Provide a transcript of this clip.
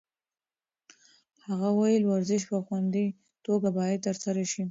هغې وویل ورزش په خوندي توګه باید ترسره شي.